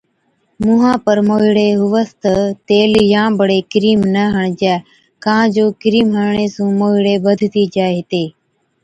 مُونهان پر موهِيڙي هُوَس تہ تيل يان بڙي ڪرِيم نہ هڻجَي ڪان جو ڪرِيم هڻڻي سُون موهِيڙي بڌتِي جائي هِتي۔